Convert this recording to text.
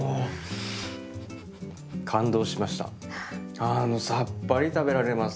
あのさっぱり食べられます